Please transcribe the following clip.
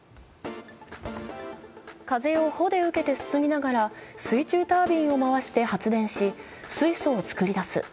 風を帆で受けて進みながら水中タービンを回して発電し水素を作り出す。